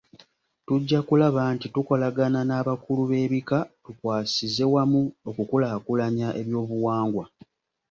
Tujja kulaba nti tukolagana n’abakulu b’ebika tukwasize wamu okukulaakulanya eby'obuwangwa.